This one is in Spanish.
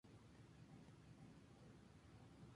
Una unidad auxiliar de poder proporciona la energía de tierra.